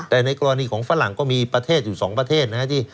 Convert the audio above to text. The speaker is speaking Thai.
แต่ในกรณีของฝรั่งก็มีประเทศอยู่๒ประเทศนะครับ